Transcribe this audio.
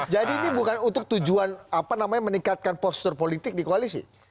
jadi ini bukan untuk tujuan meningkatkan postur politik di koalisi